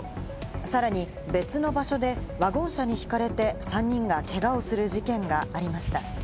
さらに別の場所でワゴン車にひかれて３人がけがをする事件がありました。